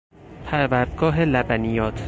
پروردگاه لبنیات